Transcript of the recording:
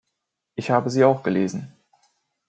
Ich habe sie auch gelesen.